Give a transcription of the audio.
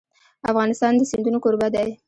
افغانستان د سیندونه کوربه دی.